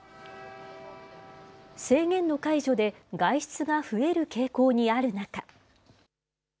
制限の解除で外出が増える傾向にある中。